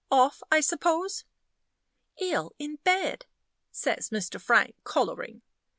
Off, I suppose?" "Ill in bed," says Mr. Frank, coloring.